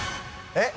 えっ？